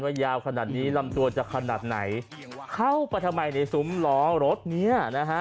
ยาวขนาดนี้ลำตัวจะขนาดไหนเข้าไปทำไมในซุ้มล้อรถเนี้ยนะฮะ